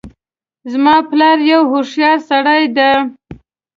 زما پلار یو هوښیارسړی ده